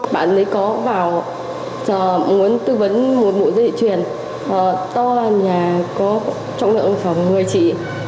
bạn ấy có vào muốn tư vấn một mũi dây truyền to là nhà có trọng lượng khoảng một mươi trị